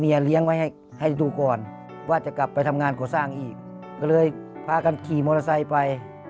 ให้เราเลี้ยงไว้ให้ดูก่อนว่าจะกลับไปทำงานกอสร้างยังไง